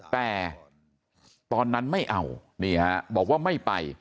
แต่ตอนนั้นไม่เอานี่ฮะบอกว่าไม่ไป